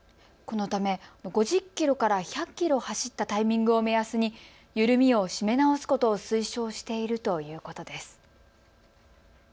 このため５０キロから１００キロを走ったタイミングを目安に緩みを締め直すことを推奨しているということです。